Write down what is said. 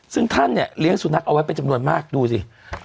ซึ่งท่านเนี่ยเลี้ยงสุนัขเอาไว้เป็นจำนวนมากดูสิ